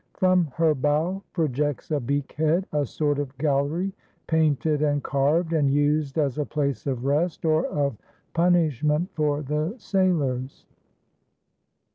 From her bow projects a beakhead, a sort of gallery, painted and carved, and used as a place of rest or of punishment for the sailors.